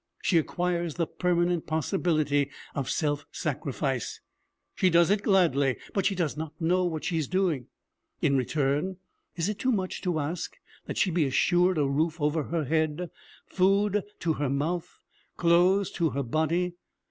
She acquires the permanent possibility of self sacrifice. She does it gladly, but she does not know what she is doing. In return, is it too much to ask that she be assured a roof over her head, food to her mouth, clothes to her body?